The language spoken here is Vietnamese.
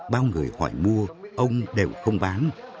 bao người hỏi mua ông đều không bán